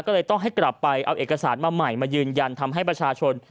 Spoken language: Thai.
ก็เลยต้องให้กลับไปเอาเอกสารมาใหม่มายืนยันทำให้ประชาชน